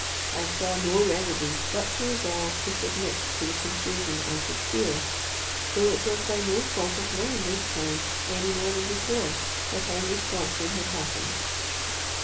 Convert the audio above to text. I saw no remedy but to resolve to submit to the confusion I should feel, though it was by no fault of mine this time, any more than before, that our misfortune had happened.